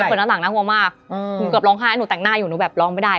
โอ้ยเปิดหน้าต่างน่าหัวมากอืมผมกลับร้องไห้หนูแต่งหน้าอยู่หนูแบบร้องไม่ได้